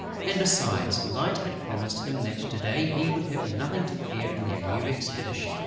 And, besides, Light had promised him that to day he would have nothing to fear in their new expedition.